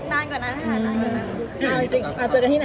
อยากได้เจอด้วยนะ